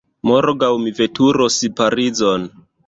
Morgaŭ mi veturos Parizon.